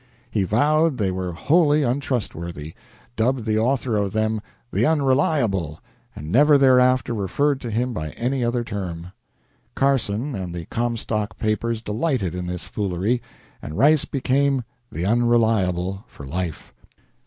He vowed they were wholly untrustworthy, dubbed the author of them "The Unreliable," and never thereafter referred to him by any other term. Carson and the Comstock papers delighted in this foolery, and Rice became "The Unreliable" for life.